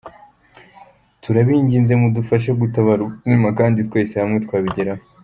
Turabinginze mudufashe gutabara ubuzima kandi twese hamwe twabigeraho.